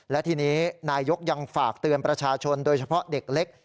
และทีนี้นายกยังฝากเตือนประชาชนโดยเฉพาะเด็กเล็ก